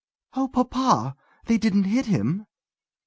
"Oh, papa! They didn't hit him?"